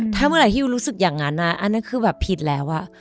ถ้าเมื่อไหร่ที่ยูรู้สึกอย่างนั้นอันนั้นคือแบบผิดแล้ว